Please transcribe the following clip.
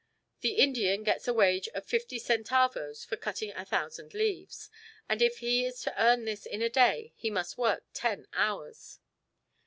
The Indian gets a wage of 50 centavos for cutting a thousand leaves, and if he is to earn this in a day he must work ten hours.